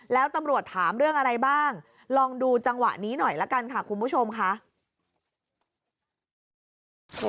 แล้วตำรวจถามเรื่องอะไรบ้างลองดูจังหวะนี้หน่อยละกันค่ะคุณผู้ชมค่ะ